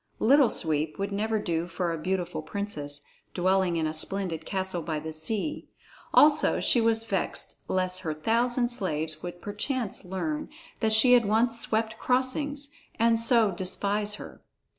"Little Sweep" would never do for a beautiful princess, dwelling in a splendid castle by the sea; also she was vexed lest her thousand slaves should perchance learn that she had once swept crossings, and so despise her.